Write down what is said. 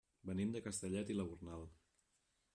Venim de Castellet i la Gornal.